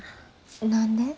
何で？